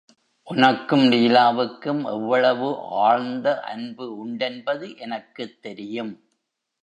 உனக்கும் லீலாவுக்கும் எவ்வளவு ஆழ்ந்த அன்பு உண்டென்பது எனக்குத் தெரியும்.